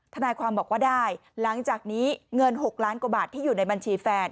ทนายความบอกว่าได้หลังจากนี้เงิน๖ล้านกว่าบาทที่อยู่ในบัญชีแฟน